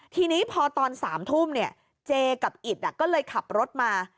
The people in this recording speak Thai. ทีนี้พอตอน๓ทุ่มเนี่ยเจกับอิตก็เลยขับรถมา